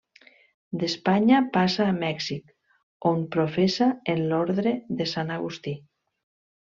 D'Espanya passa a Mèxic, on professa en l'orde de Sant Agustí.